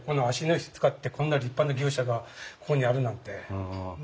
芦野石使ってこんな立派な牛舎がここにあるなんて。